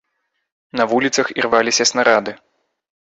На вуліцах ірваліся снарады.